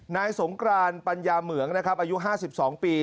นายสงกรานปัญญาเหมืองนะครับอายุ๕๒ปี